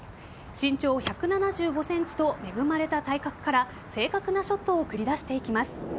身長１７５ｃｍと恵まれた体格から正確なショットを繰り出していきます。